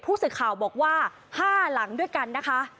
ผู้สื่อข่าวบอกว่า๕หลังด้วยกันนะคะ